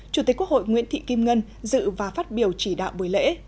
chủ tịch quốc hội nguyễn thị kim ngân dự và phát biểu chỉ đạo buổi lễ